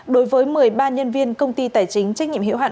đối với một mươi ba nhân viên công ty tài chính trách nhiệm hiệu hạn